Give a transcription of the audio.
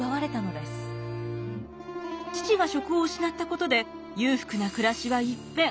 父が職を失ったことで裕福な暮らしは一変。